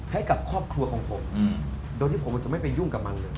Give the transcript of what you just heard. ให้กับครอบครัวของผมโดยที่ผมจะไม่ไปยุ่งกับมันเลย